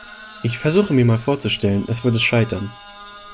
Ich versuche mir mal vorzustellen, es würde scheitern.